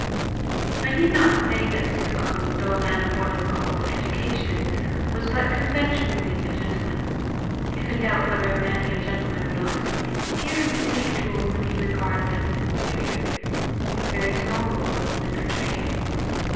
I need not say that Sercomhe, though a man of what is called education, was but conventionally a gentleman. If in doubt whether a man be a gentleman or not, hear him speak to a woman he regards as his inferior: his very tone will probably betray him.